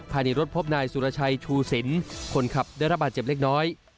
ภายในรถพบนายสุรชัยชูสินคนขับได้ระบาดเจ็บเล็กน้อย